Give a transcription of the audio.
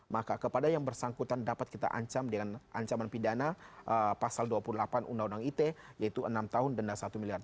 maka kepada yang bersangkutan dapat kita ancam dengan ancaman pidana pasal dua puluh delapan undang undang ite yaitu enam tahun denda satu miliar